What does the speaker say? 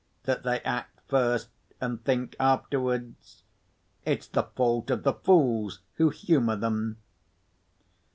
that they act first and think afterwards; it's the fault of the fools who humour them.